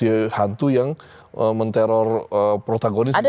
tidak ada yang men teror protagonis gitu ya